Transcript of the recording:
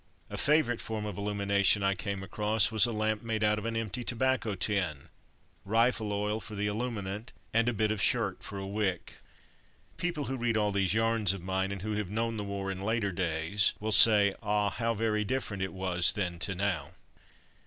A favourite form of illumination I came across was a lamp made out of an empty tobacco tin, rifle oil for the illuminant, and a bit of a shirt for a wick! People who read all these yarns of mine, and who have known the war in later days, will say, "Ah, how very different it was then to now."